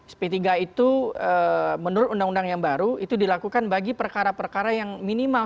sp tiga itu menurut undang undang yang baru itu dilakukan bagi perkara perkara yang minimal